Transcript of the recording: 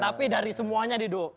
tapi dari semuanya dido